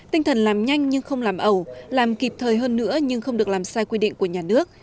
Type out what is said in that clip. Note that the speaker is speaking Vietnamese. tinh thần làm nhanh nhưng không làm ẩu làm kịp thời hơn nữa nhưng không được làm sai quy định của nhà nước